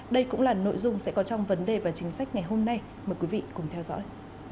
đây cũng là nội dung sẽ có trong vấn đề và chính sách ngày hôm nay mời quý vị cùng theo dõi